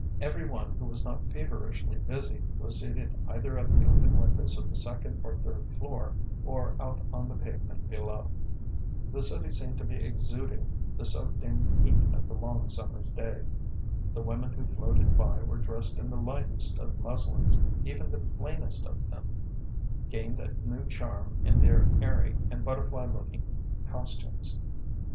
Every one who was not feverishly busy was seated either at the open windows of the second or third floor, or out on the pavement below. The city seemed to be exuding the soaked in heat of the long summer's day. The women who floated by were dressed in the lightest of muslins; even the plainest of them gained a new charm in their airy and butterfly looking costumes.